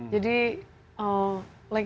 jadi seperti yang